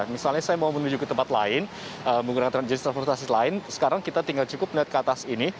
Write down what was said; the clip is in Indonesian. misalnya saya mau menuju ke tempat lain menggunakan transportasi lain sekarang kita tinggal cukup melihat ke atas ini